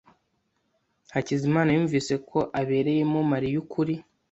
Hakizimana yumvise ko abereyemo Mariya ukuri.